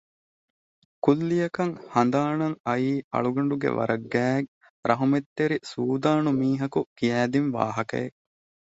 ކުއްލިއަކަށް ހަނދާނަށް އައީ އަޅުގަނޑުގެ ވަރަށް ގާތް ރަހުމަތްތެރި ސޫދާނު މީހަކު ކިޔައިދިން ވާހަކައެއް